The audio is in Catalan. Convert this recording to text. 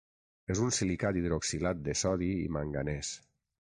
És un silicat hidroxilat de sodi i manganès.